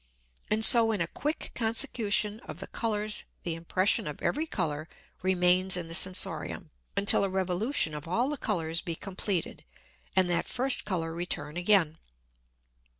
And so in a quick Consecution of the Colours the Impression of every Colour remains in the Sensorium, until a Revolution of all the Colours be compleated, and that first Colour return again.